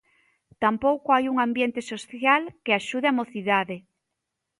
Tampouco hai un ambiente social que axude a mocidade.